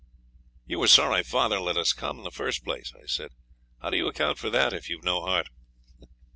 'You were sorry father let us come in the first time,' I said. 'How do you account for that, if you've no heart?'